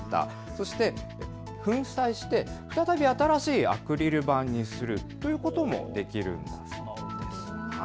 そして粉砕して再び、新しいアクリル板にするということもできるそうです。